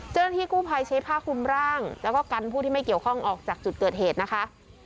เจ้าหน้าที่กู้ภัยใช้ผ้าคุมร่างแล้วก็กันผู้ที่ไม่เกี่ยวข้องออกจากจุดเกิดเหตุนะคะ